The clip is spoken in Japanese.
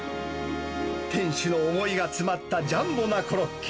店主の思いが詰まったジャンボなコロッケ。